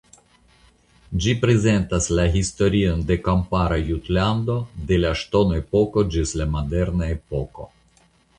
Ĝi prezentas la historion de kampara Jutlando de la ŝtonepoko ĝis la moderna epoko.